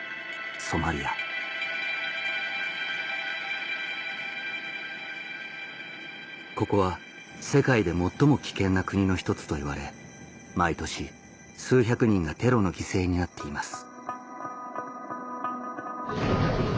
ソマリアここは世界で最も危険な国の一つといわれ毎年数百人がテロの犠牲になっています